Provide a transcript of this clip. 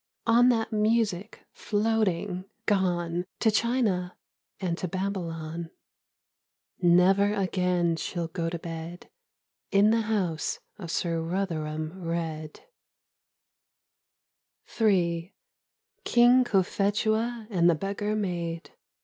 On that music floating, gone To China and to Babylon ; Never again she'll go to bed In the house of Sir Rotherham Redde ! lOI EDITH SITWELL. T III KING COPHETUA AND THE BEGGAR MAID.